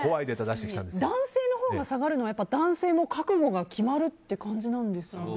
男性のほうが下がるのは男性の覚悟が決まるって感じなんですかね。